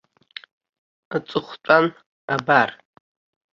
Аҵыхәтәан, абар.